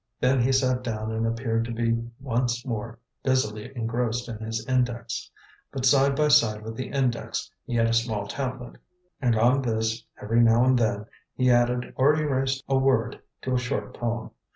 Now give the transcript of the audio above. Then he sat down and appeared to be once more busily engrossed in his index. But side by side with the index he had a small tablet, and on this, every now and then, he added or erased a word to a short poem.